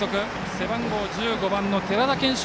背番号１５番の寺田賢生。